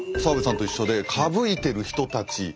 澤部さんと一緒で歌舞いてる人たち。